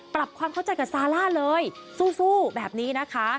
ปรับความเข้าใจกับซาร่าเลยสู้แบบนี้นะคะ